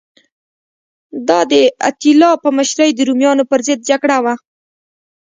دا د اتیلا په مشرۍ د رومیانو پرضد جګړه وه